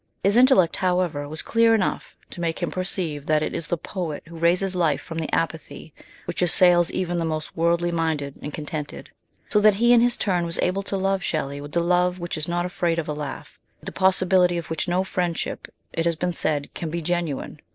His intellect, however, was clear enough to make him perceive that it is the poet who raises life from the apathy which assails even the most worldly minded and contented, so that he in his turn was able to love Shelley with the love which is not afraid of a laugh, without the possibility of which no friendship, it has been said, can be genuine.